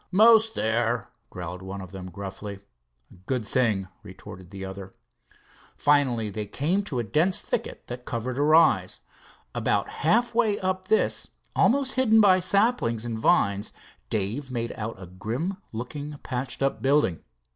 "Most there," growled one of them gruffly. "Good thing," retorted the other. Finally they came to a dense thicket that covered a rise. About half way up this, almost hidden by saplings and vines, Dave made out a grim looking patched up building.